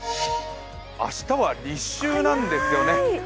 明日は立秋なんですよね。